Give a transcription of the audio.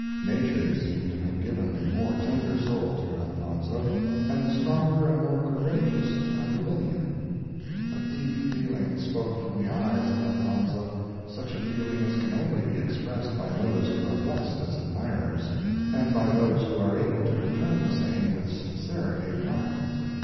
Nature seemed to have given the more tender soul to Elfonzo, and the stronger and more courageous to Ambulinia. A deep feeling spoke from the eyes of Elfonzo such a feeling as can only be expressed by those who are blessed as admirers, and by those who are able to return the same with sincerity of heart.